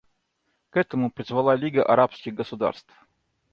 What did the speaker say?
К этому призвала Лига арабских государств.